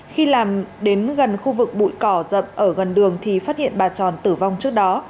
khi làm đến gần khu vực bụi cỏ dậm ở gần đường thì phát hiện bà tròn tử vong trước đó